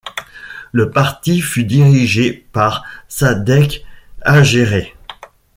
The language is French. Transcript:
Le parti fut dirigé par Sadek Hadjerès.